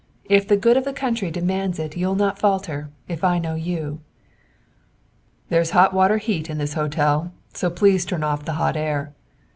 If the good of the country demands it you'll not falter, if I know you." "There's hot water heat in this hotel, so please turn off the hot air.